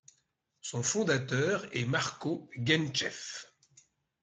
Son fondateur est Marco Genchev.